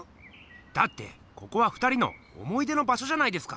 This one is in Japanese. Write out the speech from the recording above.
だってここは２人の思い出の場所じゃないですか！